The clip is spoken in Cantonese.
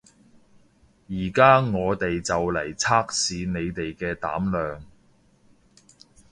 而家我哋就嚟測試你哋嘅膽量